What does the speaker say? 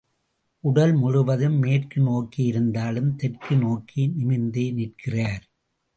உடல் முழுவதும் மேற்கு நோக்கி இருந்தாலும், தெற்கு நோக்கி நிமிர்ந்தே நிற்கிறார்.